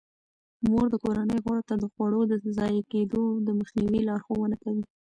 مور د کورنۍ غړو ته د خوړو د ضایع کیدو د مخنیوي لارښوونه کوي.